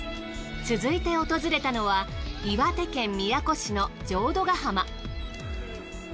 続いて訪れたのは岩手県宮古市の浄土ヶ浜。